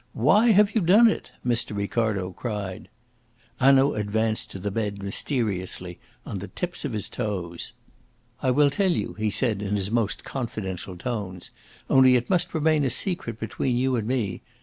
"Why have you done it?" Mr. Ricardo cried. Hanaud advanced to the bed mysteriously on the tips of his toes. "I will tell you," he said, in his most confidential tones. "Only it must remain a secret between you and me.